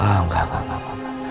oh enggak enggak enggak